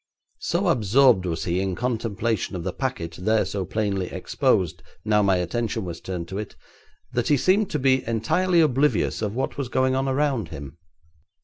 So absorbed was he in contemplation of the packet there so plainly exposed, now my attention was turned to it, that he seemed to be entirely oblivious of what was going on around him.